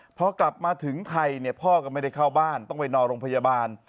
พอกลับมาถึงไทยเนี่ยพ่อก็ไม่ได้เข้าบ้านต้องไปนอนโรงพยาบาล